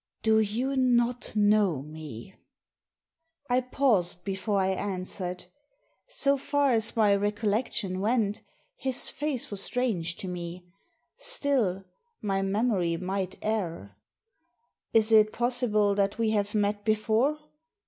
" Do you not know me ?" I paused before I answered. So far as my recol lection went his face was strange to me. Still, my memory might err. " Is it possible that we have met before